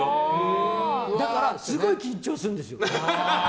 だから、すごい緊張するんですよ。